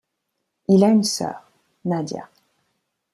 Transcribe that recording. Il a une soeur, Nadia.